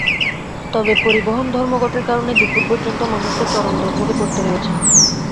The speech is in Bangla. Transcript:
তবে পরিবহন ধর্মঘটের কারণে দুপুর পর্যন্ত মানুষকে চরম দুর্ভোগে পড়তে হয়েছে।